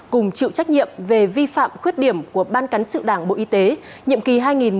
cùng chịu trách nhiệm về vi phạm khuyết điểm của ban cán sự đảng bộ y tế nhiệm kỳ hai nghìn một mươi sáu hai nghìn một mươi sáu